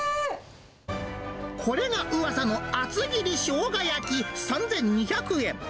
これがうわさの厚切り生姜焼き３２００円。